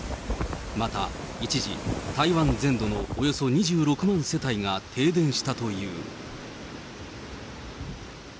また一時、台湾全土のおよそ２６万世帯が停電したという。